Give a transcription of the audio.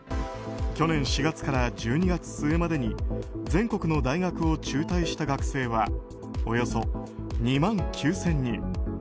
去年４月から１２月末までに全国の大学を中退した学生はおよそ２万９０００人。